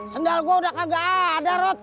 sendal gue udah kagak ada rot